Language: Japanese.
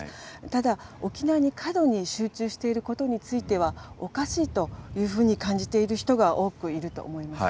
ただ、沖縄に過度に集中していることについては、おかしいというふうに感じている人が多くいると思います。